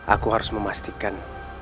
aku harus memastikan